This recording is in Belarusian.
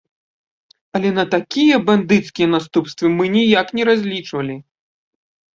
Але на такія бандыцкія наступствы мы ніяк не разлічвалі!